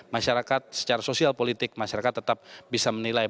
masyarakat secara sosial politik masyarakat tetap bisa menilai